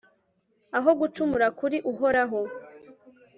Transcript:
aho gucumura kuri uhoraho